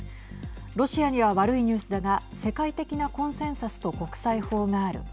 ロシアには悪いニュースだが世界的なコンセンサスと国際法がある。